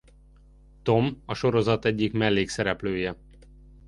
Tom a sorozat egyik mellékszereplője.